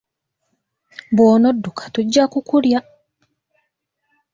Bw'onodukka tujja kukulya!